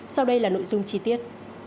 sau đây là nội dung chi tiết